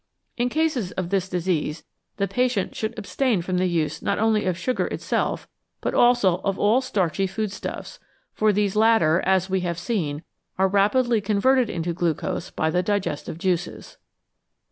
In cases of this disease the patient should abstain from the use not only of sugar itself, but also of all starchy food stuffs, for these latter, as we have seen, are rapidly converted into glucose by the digestive juices.